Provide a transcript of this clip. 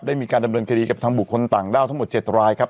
มีการดำเนินคดีกับทางบุคคลต่างด้าวทั้งหมด๗รายครับ